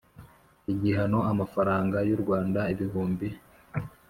Igihano amafaranga y u rwanda ibihumbi